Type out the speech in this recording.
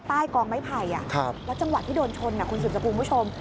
ใต้กองไม้ไผ่แล้วจังหวะที่โดนชนคุณสุดสกุลคุณผู้ชม